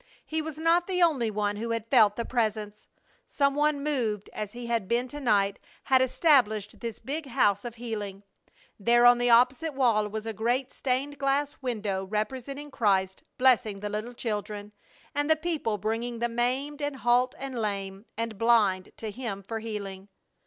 He was not the only one who had felt the Presence. Some one moved as he had been to night had established this big house of healing. There on the opposite wall was a great stained glass window representing Christ blessing the little children, and the people bringing the maimed and halt and lame and blind to Him for healing.